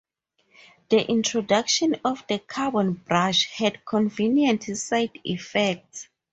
The introduction of the carbon brush had convenient side effects.